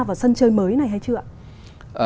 vào sân chơi mới này hay chưa ạ